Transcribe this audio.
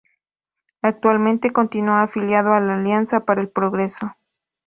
Actualmente continúa afiliado a la Alianza para el Progreso.